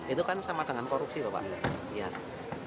itu kan sama dengan korupsi bapak